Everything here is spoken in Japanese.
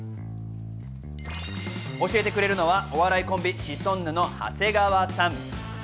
教えてくれるのはお笑いコンビ、シソンヌの長谷川さん。